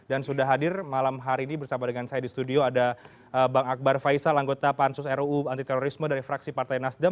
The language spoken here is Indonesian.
dan sudah hadir malam hari ini bersama dengan saya di studio ada bang akbar faisal anggota pansus ruu anti terorisme dari fraksi partai nasdem